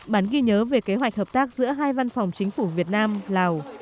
bản ghi nhớ về kế hoạch hợp tác giữa hai văn phòng chính phủ việt nam lào